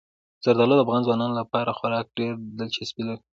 زردالو د افغان ځوانانو لپاره خورا ډېره دلچسپي لري.